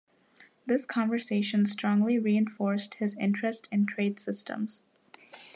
This conversation strongly reinforced his interest in trade systems.